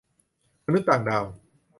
มนุษย์ต่างดาว